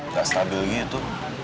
gak stabilnya itu